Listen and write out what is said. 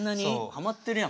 はまってるやん。